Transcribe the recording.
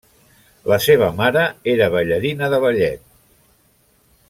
La seva mare era ballarina de ballet.